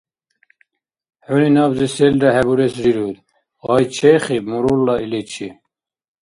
- ХӀуни набзи селра хӀебурес рируд, - гъай чехиб мурулла иличи.